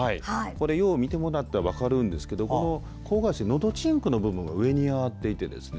よく見てもらったら分かるんですけどこの口蓋垂、のどちんこの部分が上に上がっていてですね。